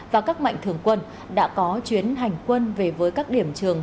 và các mạnh thường quân đã có chuyến hành quân về với các điểm trường